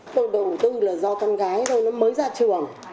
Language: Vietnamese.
tôi đầu tư là do con gái thôi nó mới ra trường